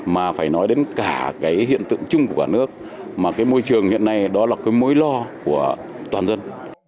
mà phải nói đến cả cái hiện tượng chung của cả nước mà cái môi trường hiện nay đó là cái mối lo của toàn dân